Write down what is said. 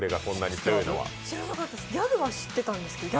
知らないです、ギャグは知ってたんですけど。